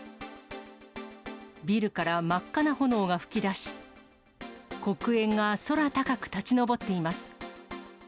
ビルから真っ赤な炎が噴き出し、黒煙が空高く立ち上っています。